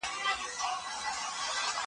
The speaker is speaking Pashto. موږ نه غواړو چې خپل ماشومان له کلتوره پردي سي.